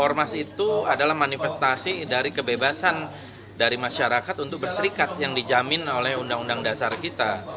ormas itu adalah manifestasi dari kebebasan dari masyarakat untuk berserikat yang dijamin oleh undang undang dasar kita